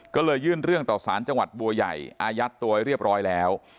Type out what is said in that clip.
ก็เลยยื่นเรื่องต่อสารจังหวัดบัวใหญ่อายัดตัวไว้เรียบร้อยแล้ว